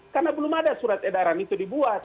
karena belum ada surat edaran itu dibuat